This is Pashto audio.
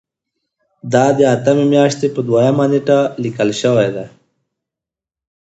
دا د اتمې میاشتې په دویمه نیټه لیکل شوی دی.